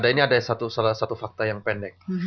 ini ada salah satu fakta yang pendek